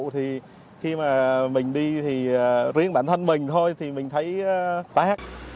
thì khi mà mình đi thì riêng bản thân mình thôi thì mình thấy tác